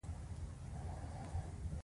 پريګلې وار د مخه کړ او وویل چې پيريان دي